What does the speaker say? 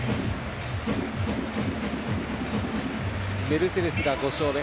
メルセデスが５勝目。